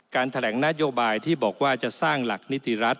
แถลงนโยบายที่บอกว่าจะสร้างหลักนิติรัฐ